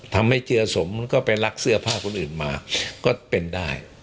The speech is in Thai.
ทำให้เจือสมก็ไปลักเสื้อผ้าคนอื่นมาก็เป็นได้